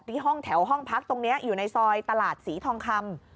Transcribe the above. ที่ห้องแถวห้องพักตรงนี้อยู่ในซอยตลาดศรีทองคำ